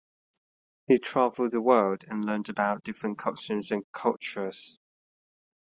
He traveled the world and learned about different customs and cultures.